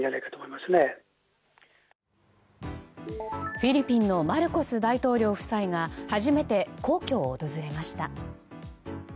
フィリピンのマルコス大統領夫妻が初めて皇居を訪れました。